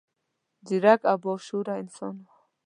ځیرک او با شعوره انسان و.